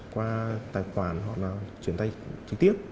qua tài khoản hoặc là chuyển tay trực tiếp